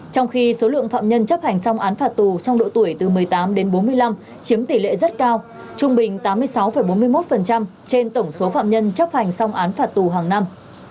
trong khi số lượng phạm nhân chấp hành xong án phạt tù trong độ tuổi từ một mươi tám đến bốn mươi năm chiếm tỷ lệ rất cao trung bình tám mươi sáu bốn mươi một trên tổng số phạm nhân chấp hành xong án phạt tù hàng năm